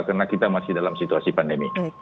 karena kita masih dalam situasi pandemi